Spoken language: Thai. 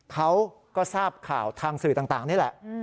เขาก็ทราบข่าวทางสื่อต่างนี่แหละ